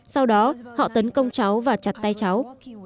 sau đó họ tấn công cháu và chặt tay cháu